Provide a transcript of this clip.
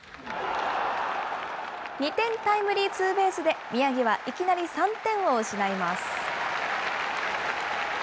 ２点タイムリーツーベースで、宮城はいきなり３点を失います。